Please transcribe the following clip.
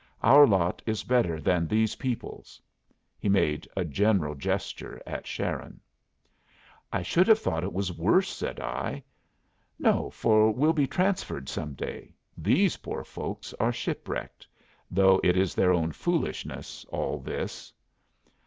Our lot is better than these people's." He made a general gesture at Sharon. "I should have thought it was worse," said I. "No, for we'll be transferred some day. These poor folks are shipwrecked. Though it is their own foolishness, all this."